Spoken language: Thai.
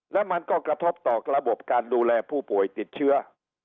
แล้วมันก็กระทบต่อระบบการดูแลผู้ป่วยติดเชื้อ